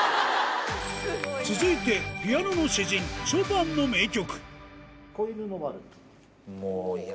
続いて、ピアノの詩人、ショパンの名曲。